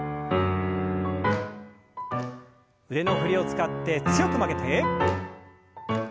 腕の振りを使って強く曲げて。